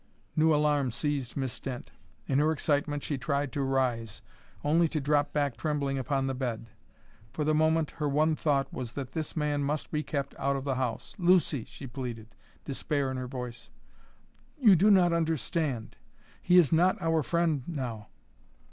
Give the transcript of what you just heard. New alarm seized Miss Dent. In her excitement she tried to rise, only to drop back trembling upon the bed. For the moment her one thought was that this man must be kept out of the house. "Lucy," she pleaded, despair in her voice, "you do not understand. He is not our friend now.